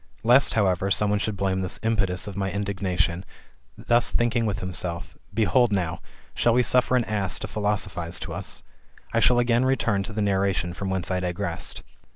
Lest, however, some one should blame this impetus of my indignation, thus thinking with himself, Behold now, fhall we suffer an ass to philosophise to us ? I shall again return to the narration from whence I digressed.